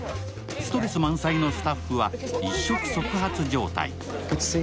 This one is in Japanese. ストレス満載のスタッフは一触即発状態。